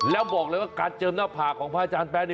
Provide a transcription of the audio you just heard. แล้วบอกเลยว่าการเจิมหน้าผากของพระอาจารย์แป๊นี่